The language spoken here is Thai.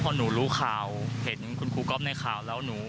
พอหนูรู้ข่าวเห็นคุณครูก๊อฟในข่าวแล้วหนู